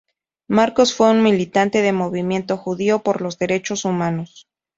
Marcos fue un militante del Movimiento Judío por los Derechos Humanos.